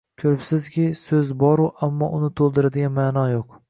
Ko‘ribsizki, so‘z bor-u, ammo uni to‘ldiradigan ma’no yo‘q